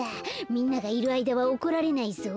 みんながいるあいだは怒られないぞ。